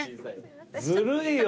ずるいよ。